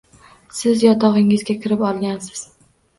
Siz yotogʻingizga kirib olgansiz